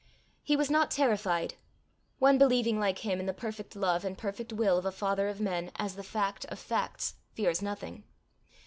He was not terrified. One believing like him in the perfect Love and perfect Will of a Father of men, as the fact of facts, fears nothing.